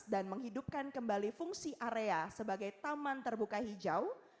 dan menghidupkan kembali fungsi area sebagai taman terbuka hijau